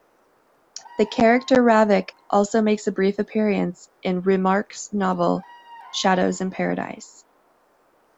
The character Ravic also makes a brief appearance in Remarque's novel, "Shadows in Paradise".